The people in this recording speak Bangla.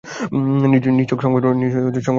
নিছক সংবাদ প্রদানই এর উদ্দেশ্য।